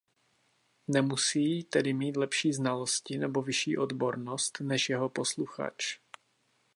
Nemusí tedy mít lepší znalosti nebo vyšší odbornost než jeho posluchač.